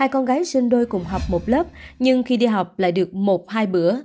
hai con gái sinh đôi cùng học một lớp nhưng khi đi học lại được một hai bữa